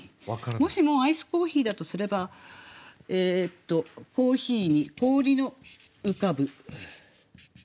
もしもアイスコーヒーだとすれば「珈琲に氷の浮かぶ」。